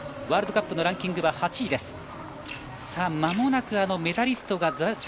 ワールドカップのランキングは８位です。